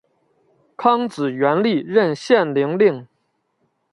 康子元历任献陵令。